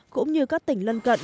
cũng như các tỉnh lân cận